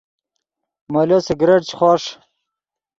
مولو سگریٹ چے خوݰ